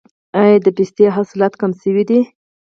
آیا د پستې حاصلات کم شوي دي؟